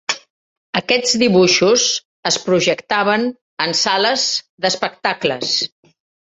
Aquests dibuixos es projectaven en sales d'espectacles.